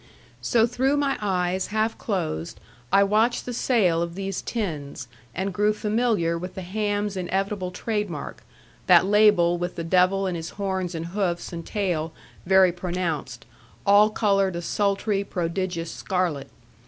So through my eyes half closed I watched the sale of these tins, and grew familiar with the ham's inevitable trademark that label with the devil and his horns and hoofs and tail very pronounced, all colored a sultry prodigious scarlet.